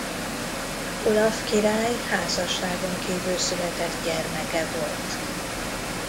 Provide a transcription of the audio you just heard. Olaf király házasságon kívül született gyermeke volt.